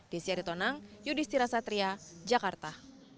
desyari tonang yudhistira satria jakarta